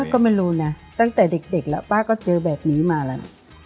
ก็ไม่รู้นะตั้งแต่เด็กแล้วป้าก็เจอแบบนี้มาแล้วนะ